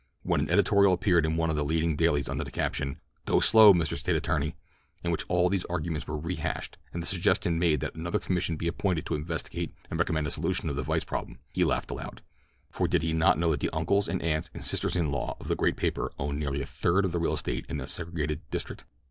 When an editorial appeared in one of the leading dailies under the caption, "Go Slow, Mr. State Attorney," in which all these arguments were rehashed and the suggestion made that another commission be appointed to investigate and recommend a solution of the vice problem, he laughed aloud, for did he not know that the uncles and aunts and sisters in law of that great paper owned nearly a third of the real estate in the segregated district?